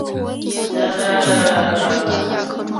增六和弦还有一些有着古怪地名的名字的其他变形。